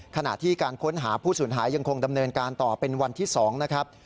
ขณะที่การค้นหาผู้สูญหายยังคงดำเนินการต่อเป็นวันที่๒นะครับ